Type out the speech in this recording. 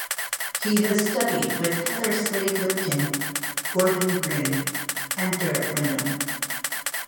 He has studied with Heather Slade-Lipkin, Gordon Green, and Derrick Wyndham.